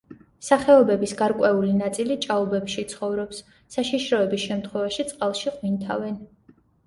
სახეობების გარკვეული ნაწილი ჭაობებში ცხოვრობს, საშიშროების შემთხვევაში წყალში ყვინთავენ.